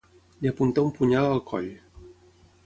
Li apuntà un punyal al coll.